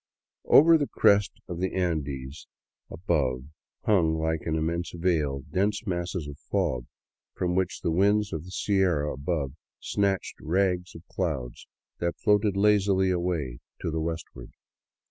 Over the crest of the Andes above hung, like an immense veil, dense masses of fog, from which the winds of the Sierra above snatched rags of clouds that floated lazily away to the westward.